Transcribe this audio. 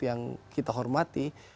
yang kita hormati